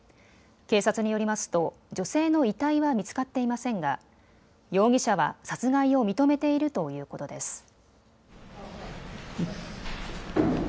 警察によりますと女性の遺体は見つかっていませんが容疑者は殺害を認めているということです。